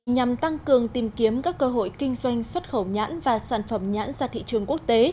nhằm tăng cường tìm kiếm các cơ hội kinh doanh xuất khẩu nhãn và sản phẩm nhãn ra thị trường quốc tế